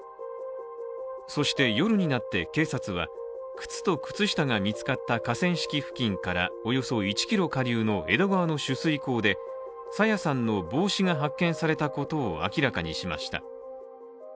そして、夜になって警察は靴と靴下が見つかった河川敷付近からおよそ１ｋｍ下流の江戸川の取水口で朝芽さんの帽子が発見されたことを明らかにしました。